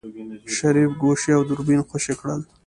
شريف ګوشي او دوربين خوشې کړل.